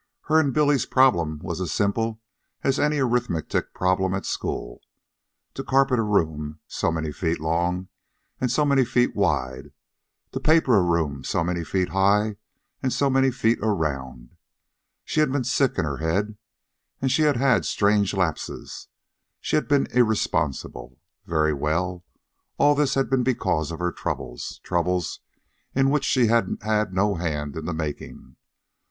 Her and Billy's problem was as simple as an arithmetic problem at school: to carpet a room so many feet long, so many feet wide, to paper a room so many feet high, so many feet around. She had been sick in her head, she had had strange lapses, she had been irresponsible. Very well. All this had been because of her troubles troubles in which she had had no hand in the making.